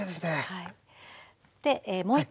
はい。